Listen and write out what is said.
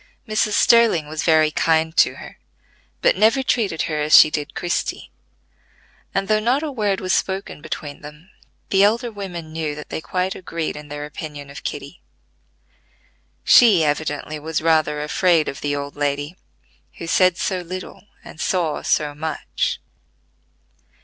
Mrs. Sterling was very kind to her, but never treated her as she did Christie; and though not a word was spoken between them the elder women knew that they quite agreed in their opinion of Kitty. She evidently was rather afraid of the old lady, who said so little and saw so much.